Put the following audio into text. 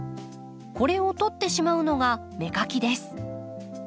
これを取ってしまうのが芽かきです。